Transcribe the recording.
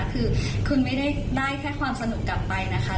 คือคุณไม่ได้ได้แค่ความสนุกกลับไปนะคะ